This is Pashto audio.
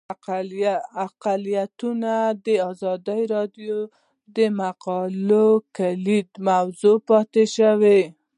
اقلیتونه د ازادي راډیو د مقالو کلیدي موضوع پاتې شوی.